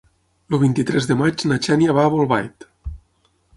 El vint-i-tres de maig na Xènia va a Bolbait.